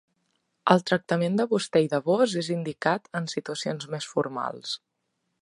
El tractament de vostè i de vós és indicat en situacions més formals.